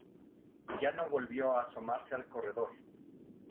Ya no volvió a asomarse al corredor.